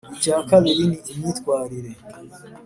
Icya kabiri ni imyitwarire